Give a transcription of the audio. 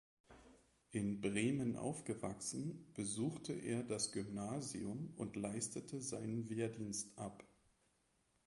In Bremen aufgewachsen, besuchte er das Gymnasium und leistete seinen Wehrdienst ab.